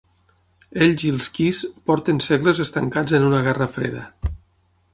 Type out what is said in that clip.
Ells i els Qys porten segles estancats en una Guerra Freda.